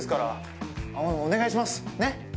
お願いしますねっ！